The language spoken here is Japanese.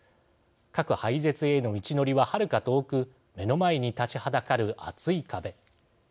核廃絶への道のりは、はるか遠く目の前に立ちはだかる厚い壁。